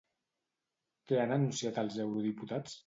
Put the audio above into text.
Què han anunciat els eurodiputats?